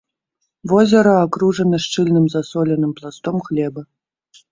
Возера акружана шчыльным засоленым пластом глебы.